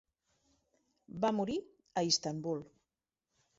Va morir a Istanbul.